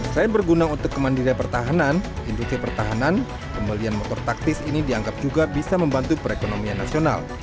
selain berguna untuk kemandirian pertahanan industri pertahanan pembelian motor taktis ini dianggap juga bisa membantu perekonomian nasional